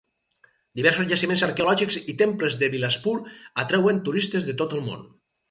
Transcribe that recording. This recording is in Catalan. Diversos jaciments arqueològics i temples de Bilaspur atreuen turistes de tot el món.